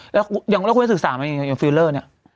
แล้วคุณจะถึงสารยังไงอย่างฟิลเลอร์เนี่ย